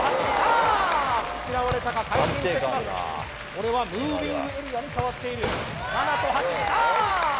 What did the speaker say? これはムービングエリアに変わっている７と８きた！